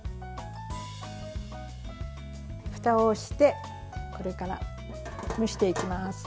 ふたをしてこれから蒸していきます。